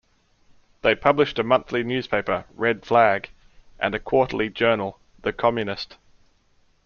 They published a monthly newspaper, "Red Flag", and a quarterly journal, "The Communist".